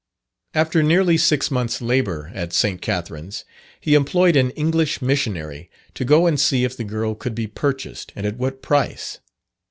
After nearly six months' labour at St. Catharines, he employed an English missionary to go and see if the girl could be purchased, and at what price.